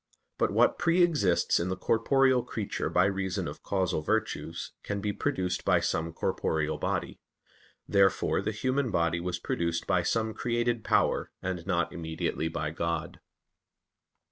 But what pre exists in the corporeal creature by reason of causal virtues can be produced by some corporeal body. Therefore the human body was produced by some created power, and not immediately by God.